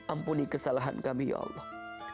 ampuni kesalahan kami ya allah